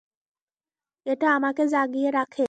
এটা আমাকে জাগিয়ে রাখে।